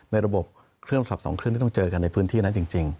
ในระบบเครื่องสับ๒เครื่องที่ต้องเจอกันในพื้นที่นั้นจริง